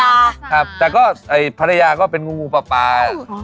แล้วตอนนี้ได้ภรรยาครับแต่ก็ภรรยาก็เป็นกูป๊า